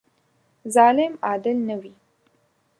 ظالم عادل نه وي.